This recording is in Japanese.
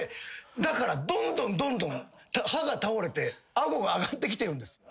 だからどんどんどんどん歯が倒れて顎が上がってきてるんです。